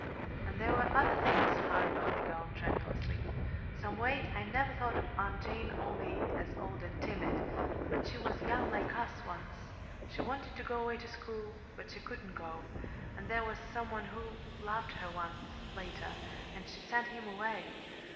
"And there were other things," hurried on the girl, tremulously. "Some way, I never thought of Aunt Jane only as old and timid; but she was young like us, once. She wanted to go away to school but she couldn't go; and there was some one who loved her once later, and she sent him away.